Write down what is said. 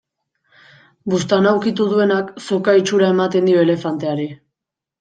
Buztana ukitu duenak, soka itxura ematen dio elefanteari.